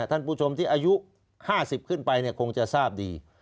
ท่านผู้ชมที่อายุ๕๐ขึ้นไปคงจะทราบดี